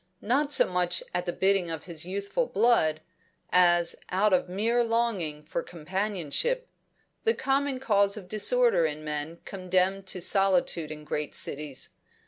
Not so much at the bidding of his youthful blood, as out of mere longing for companionship, the common cause of disorder in men condemned to solitude in great cities.